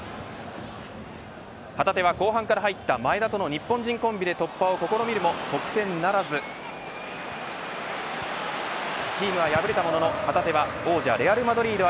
旗手は後半から入った前田との日本人コンビで突破を試みるも得点ならずチームは敗れたものの、旗手は王者レアルマドリード